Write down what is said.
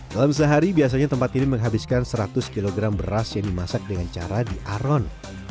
dalam sehari biasanya tempat ini menghabiskan seratus kg beras yang dimasak dengan cara diaron